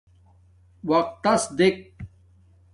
وقتس دیکھہ